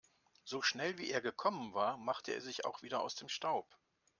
So schnell, wie er gekommen war, machte er sich auch wieder aus dem Staub.